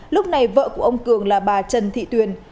lúc này vợ của ông cường là bà trần thị tuyền